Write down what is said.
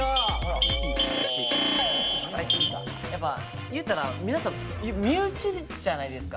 やっぱ言ったら皆さん身内じゃないですか。